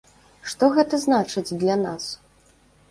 Што гэта значыць для нас?